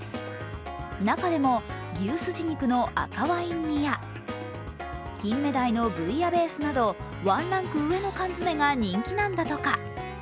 中でも牛すじ肉の赤ワイン煮や金目鯛のブイヤベースなど、ワンランク上の缶詰が人気なんだとか。